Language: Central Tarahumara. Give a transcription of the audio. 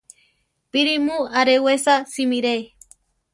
¡Píri mu arewesa simire!